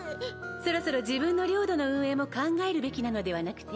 そろそろ自分の領土の運営も考えるべきなのではなくて？